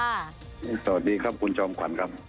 สวัสดีครับคุณจอมขวัญครับ